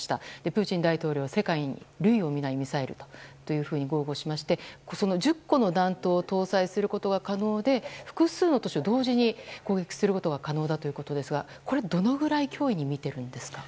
プーチン大統領は世界に類を見ないミサイルと豪語しまして１０個の弾頭を搭載することが可能で、複数の都市を同時に攻撃することが可能だということですがこれ、どのくらいの脅威と見ているんですか？